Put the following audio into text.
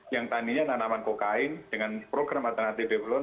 yang taninya tanaman kokain dengan program alternatif development